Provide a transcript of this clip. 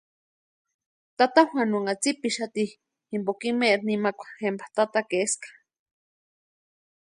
Tata Juanunha tsipixati jimpoka imaeri nimakwa jempa tatakaeska.